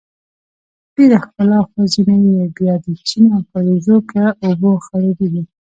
ډیره ښکلا خو ځینې یې بیا د چینو او کاریزونو په اوبو خړوبیږي.